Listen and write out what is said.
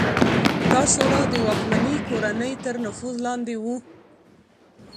دا شورا د واکمنې کورنۍ تر نفوذ لاندې وه